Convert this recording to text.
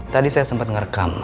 tadi saya sempat ngerekam